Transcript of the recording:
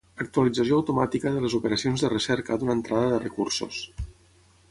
Actualització automàtica de les operacions de recerca d'una entrada de recursos.